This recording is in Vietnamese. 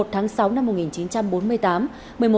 một mươi một tháng sáu năm một nghìn chín trăm bốn mươi tám